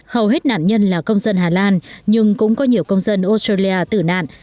hầu hết nạn nhân là công dân hà lan nhưng cũng có nhiều công dân australia tử nạn